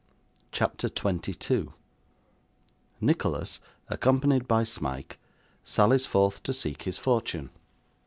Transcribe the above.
CHAPTER 22 Nicholas, accompanied by Smike, sallies forth to seek his Fortune.